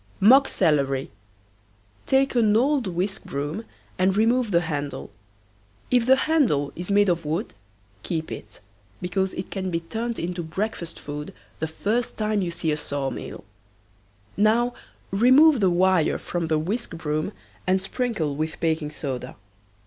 MOCK CELERY. Take an old whiskbroom and remove the handle. If the handle is made of wood keep it, because it can be turned into breakfast food the first time you see a sawmill. Now remove the wire from the whiskbroom and sprinkle with baking soda.